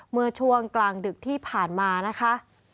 เมื่อช่วงกลางดึกที่ผ่านมานะคะ